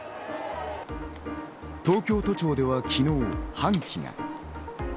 東京都庁では昨日、半旗が。